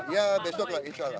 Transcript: ya besok lah insya allah